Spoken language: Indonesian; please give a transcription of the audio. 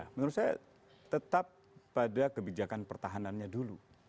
menurut saya tetap pada kebijakan pertahanannya dulu